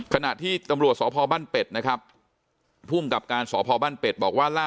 ขณะที่ตำรวจสพบ้านเป็ดนะครับภูมิกับการสพบ้านเป็ดบอกว่า